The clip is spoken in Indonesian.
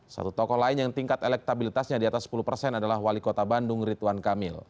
satu tokoh lain yang tingkat elektabilitasnya di atas sepuluh persen adalah wali kota bandung ridwan kamil